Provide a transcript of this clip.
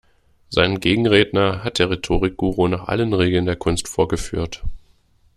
Seinen Gegenredner hat der Rhetorik-Guru nach allen Regeln der Kunst vorgeführt.